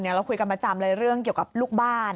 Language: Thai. เราคุยกันประจำเลยเรื่องเกี่ยวกับลูกบ้าน